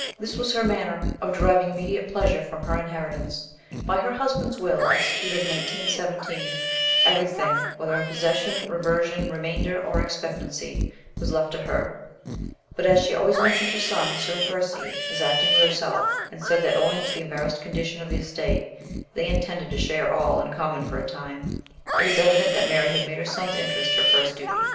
This was her manner of deriving immediate pleasure from her inheritance. By her husband's will, executed in 1817, everything, "whether in possession, reversion, remainder, or expectancy," was left to her; but as she always mentioned her son, Sir Percy, as acting with herself, and said that owing to the embarrassed condition of the estate they intended to share all in common for a time, it is evident that Mary had made her son's interest her first duty.